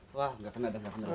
wah nggak kena